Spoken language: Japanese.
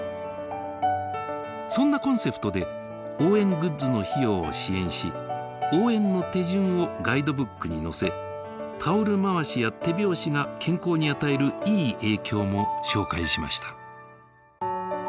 そんなコンセプトで応援グッズの費用を支援し応援の手順をガイドブックに載せタオル回しや手拍子が健康に与えるいい影響も紹介しました。